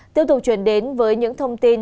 tiếp tục chuyển đến với những thông tin